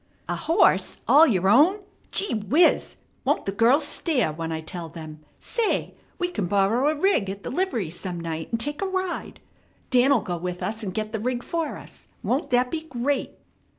"A horse! All your own? Gee whiz! Won't the girls stare when I tell them? Say, we can borrow a rig at the livery some night, and take a ride. Dan'll go with us, and get the rig for us. Won't that be great?"